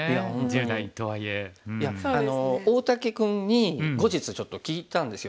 大竹君に後日ちょっと聞いたんですよ。